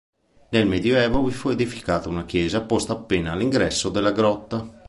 Nel Medioevo vi fu edificata una chiesa posta appena all'ingresso della grotta.